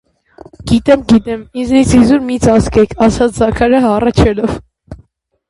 - Գիտեմ, գիտեմ, ինձնից իզուր մի՛ ծածկեք,- ասաց Զաքարը հառաչելով: